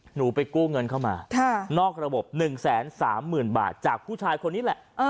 หนูไปกู้เงินเข้ามานอกระบบ๑๓๐๐๐บาทจากผู้ชายคนนี้แหละ